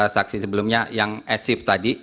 saksi sebelumnya yang ad shift tadi